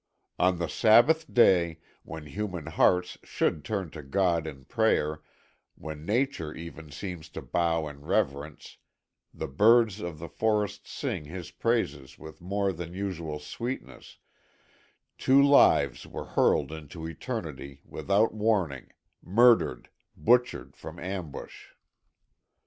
On the Sabbath day, when human hearts should turn to God in prayer, when nature even seems to bow in reverence, the birds of the forests sing His praises with more than usual sweetness, two lives were hurled into eternity without warning, murdered, butchered from ambush.